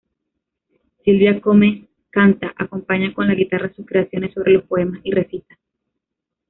Sílvia Comes canta, acompaña con la guitarra sus creaciones sobre los poemas y recita.